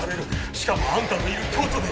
しかもあんたのいる京都で。